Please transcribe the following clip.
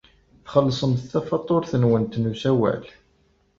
Txellṣemt tafatuṛt-nwent n usawal?